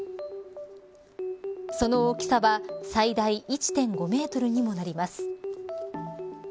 その大きさは最大１．５メートルにもなります。